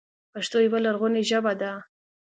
پښتو يوه لرغونې ژبه ده.